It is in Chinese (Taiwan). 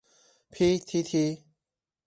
批踢踢